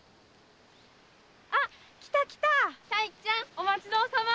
お待ちどうさま！